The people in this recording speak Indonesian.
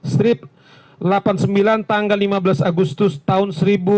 strip delapan puluh sembilan tanggal lima belas agustus tahun seribu sembilan ratus sembilan puluh